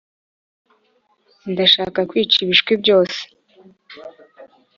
ndashaka kwica ibishwi byose